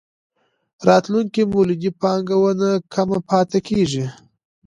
راتلونکې مولدې پانګونه کمه پاتې کېږي.